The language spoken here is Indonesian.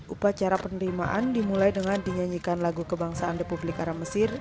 upacara penerimaan dimulai dengan dinyanyikan lagu kebangsaan republik arab mesir